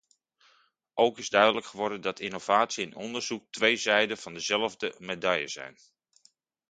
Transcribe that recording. Ook is duidelijk geworden dat innovatie en onderzoek twee zijden van dezelfde medaille zijn.